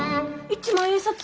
一万円札？